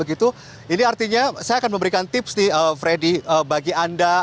ini artinya saya akan memberikan tips nih freddy bagi anda